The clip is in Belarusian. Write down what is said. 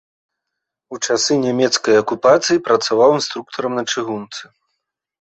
У часы нямецкай акупацыі працаваў інструктарам на чыгунцы.